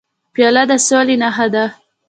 پیاله د سولې نښه ده.